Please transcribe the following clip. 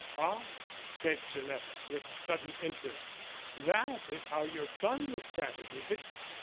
"Ah!" said Gillett, with sudden interest. "That is how your son looks at it, is it?